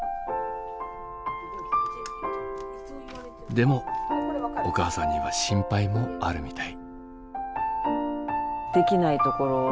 でもお母さんには心配もあるみたい。